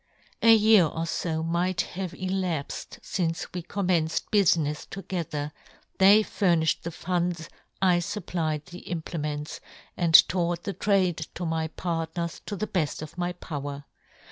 " A year or fo might have elapfed " fince we commenced bufinefs to " gether ; they furnifhed the funds, " I fupplied the implements, and " taught the trade to my partners to " the heft of my power.